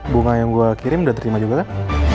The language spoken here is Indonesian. bunga yang gue kirim udah terima juga kan